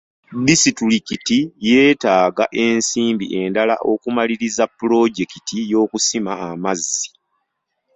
Disitulikiti yeetaaga ensimbi endala okumaliriza pulojekiti y'okusima amazzi.